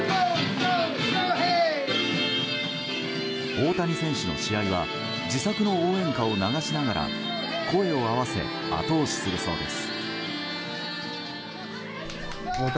大谷選手の試合は自作の応援歌を流しながら声を合わせ後押しするそうです。